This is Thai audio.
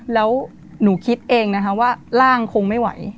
แล้วหนูคิดเองนะคะว่าร่างคงไม่ไหว